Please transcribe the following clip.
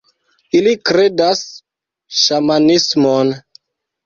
Ili kredas ŝamanismon.